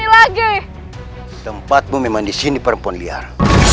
lagi tempatmu memang disini perempuan liar